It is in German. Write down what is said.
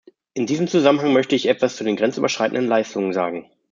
In diesem Zusammenhang möchte ich etwas zu den grenzüberschreitenden Leistungen sagen.